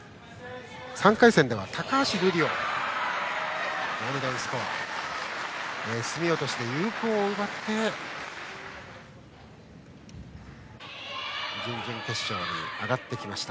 ３回戦では高橋瑠璃をゴールデンスコアすみ落としで有効を奪って準々決勝に上がってきました。